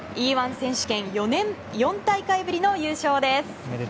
Ｅ‐１選手権４大会ぶりの優勝です。